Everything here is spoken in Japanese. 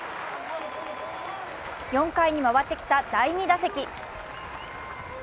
４回に回ってきた第２打席。